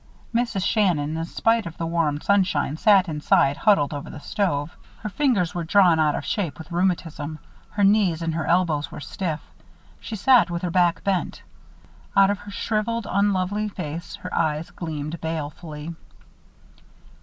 Mrs. Shannon, in spite of the warm sunshine, sat inside, huddled over the stove. Her fingers were drawn out of shape with rheumatism. Her knees and her elbows were stiff. She sat with her back bent. Out of her shriveled, unlovely face her eyes gleamed balefully.